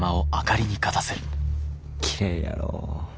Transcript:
きれいやろ。